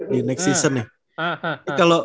di next season ya